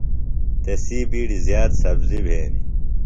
تسی بِیڈیۡ زیات سبزیۡ بِھینیۡ۔